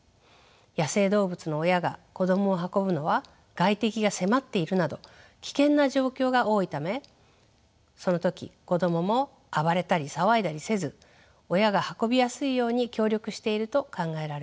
野生動物の親が子供を運ぶのは外敵が迫っているなど危険な状況が多いためその時子供も暴れたり騒いだりせず親が運びやすいように協力していると考えられます。